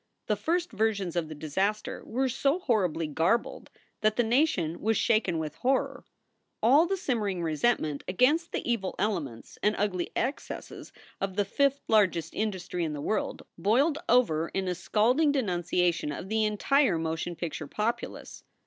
The first versions of the disaster were so horribly garbled that the nation was shaken with horror. All the simmering resentment against the evil elements and ugly excesses of the "fifth largest industry in the world" boiled over in a scalding denunciation of the entire motion picture populace.